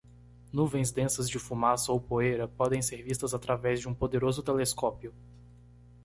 Nuvens densas de fumaça ou poeira podem ser vistas através de um poderoso telescópio.